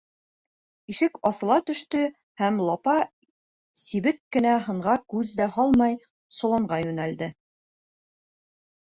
Ишек асыла төштө һәм Лапа, сибек кенә һынға күҙ ҙә һалмай, соланға йүнәлде.